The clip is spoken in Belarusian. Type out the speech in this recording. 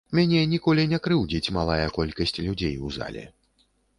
Мяне ніколі не крыўдзіць малая колькасць людзей у зале.